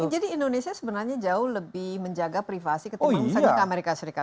jadi indonesia sebenarnya jauh lebih menjaga privasi ketimbang amerika serikat